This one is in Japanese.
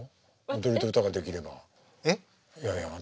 踊りと歌ができれば私